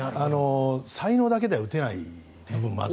才能だけでは打てない部分もあって。